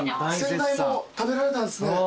先代も食べられたんですね。